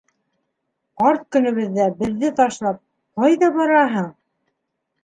Ҡарт көнөбөҙҙә беҙҙе ташлап, ҡайҙа бараһың?